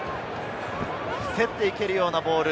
競っていけるようなボール。